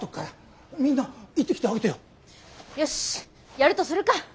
やるとするか。